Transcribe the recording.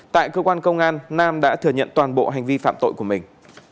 tại cơ quan công an nam đã thừa nhận toàn bộ hành vi phạm tội của mình